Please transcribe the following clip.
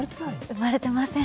生まれてません。